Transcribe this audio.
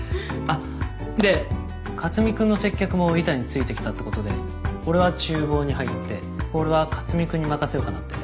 あっで克巳君の接客も板についてきたってことで俺はちゅう房に入ってホールは克巳君に任せようかなって。